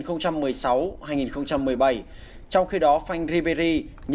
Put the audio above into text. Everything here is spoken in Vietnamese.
trong khi đó fane ribery